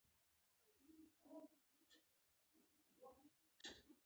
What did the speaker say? هغه دې وګډېږي